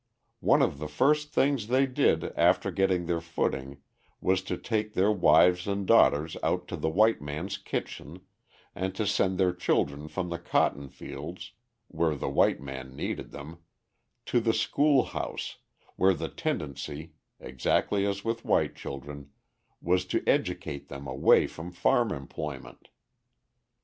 One of the first things they did after getting their footing was to take their wives and daughters out of the white man's kitchen, and to send their children from the cotton fields (where the white man needed them) to the school house where the tendency (exactly as with white children) was to educate them away from farm employment.